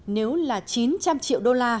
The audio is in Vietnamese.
nếu là chín trăm linh triệu usd